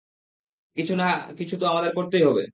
কিছু না কিছু তো আমাদের করতেই হবে।